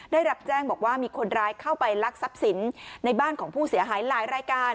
ได้รับแจ้งบอกว่ามีคนร้ายเข้าไปลักทรัพย์สินในบ้านของผู้เสียหายหลายรายการ